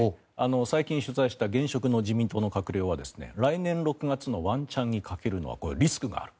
最近、取材した現職の自民党の閣僚は来年６月のワンチャンにかけるのはリスクがある。